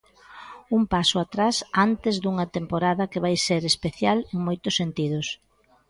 Un paso atrás antes dunha temporada que vai ser especial en moitos sentidos.